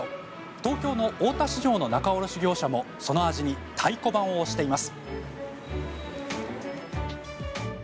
東京の大田市場の仲卸業者もその味に太鼓判を押しています。